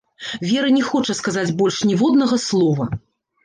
Вера не хоча сказаць больш ніводнага слова.